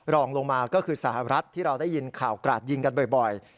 รองลงมาก็คือสหรัฐที่เราได้ยินข่าวกราดยิงกันบ่อย